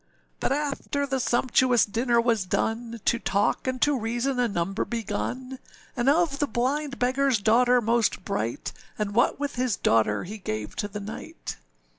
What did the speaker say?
But after the sumptuous dinner was done, To talk and to reason a number begun, And of the blind beggarâs daughter most bright; And what with his daughter he gave to the knight.